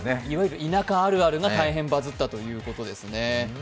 いわゆる田舎あるあるが大変バズったということです。